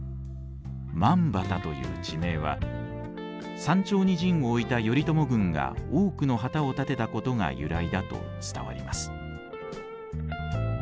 万畑という地名は山頂に陣を置いた頼朝軍が多くの旗を立てたことが由来だと伝わります。